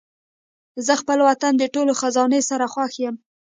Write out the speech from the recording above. زه خپل وطن د ټولو خزانې سره خوښ یم.